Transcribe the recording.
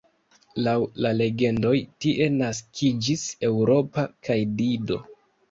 Laŭ la legendoj tie naskiĝis Eŭropa kaj Dido.